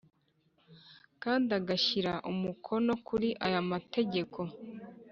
kandi agashyira umukono kuri aya mategeko